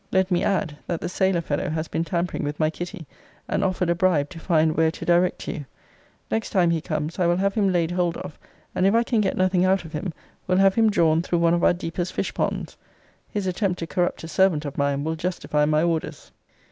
Let me add, that the sailor fellow has been tampering with my Kitty, and offered a bribe, to find where to direct to you. Next time he comes, I will have him laid hold of; and if I can get nothing out of him, will have him drawn through one of our deepest fishponds. His attempt to corrupt a servant of mine will justify my orders.